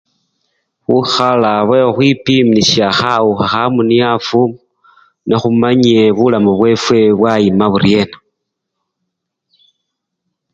Bukhala bwekhukhwipimisya khawukha khamunyafu, nekhumanye bulamu bwefwe bwayima buryena.